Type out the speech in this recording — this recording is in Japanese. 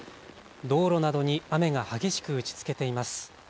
道路などに雨が激しく打ちつけています。